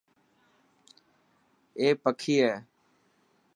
اي پکي هي.